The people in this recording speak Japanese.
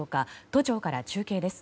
都庁から中継です。